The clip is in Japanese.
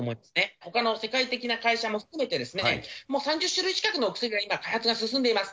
ほかの世界的な会社も含めて、もう３０種類近くのお薬が今、開発が進んでいます。